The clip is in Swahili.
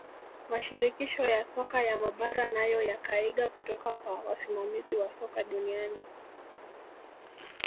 mashirikisho ya soka ya mabara nayo yakaiga kutoka kwa wasimamizi wa soka duniani